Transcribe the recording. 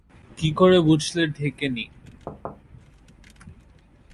কী করে বুঝলে ঢেকে নি?